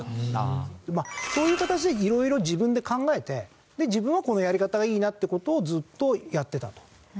そういう形で色々自分で考えて自分はこのやり方がいいなって事をずっとやってたと。